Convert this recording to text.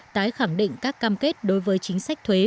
tái khẳng định các cam kết đối với chính sách thuế